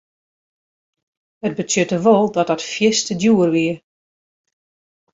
It betsjutte wol dat dat fierste djoer wie.